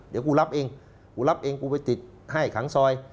เดี๋ยวกูรับเองกูรับเองกูไปติดให้ขังซอย